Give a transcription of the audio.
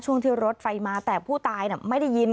ช่วงที่รถไฟมาแต่ผู้ตายไม่ได้ยิน